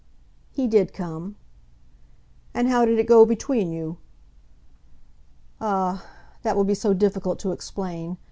"He did come." "And how did it go between you?" "Ah, that will be so difficult to explain.